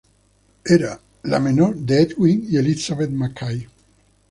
Era la menor de Edwin y Elizabeth McKay.